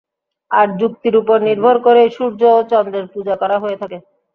আর যুক্তির উপর নির্ভর করেই সূর্য ও চন্দ্রের পূজা করা হয়ে থাকে।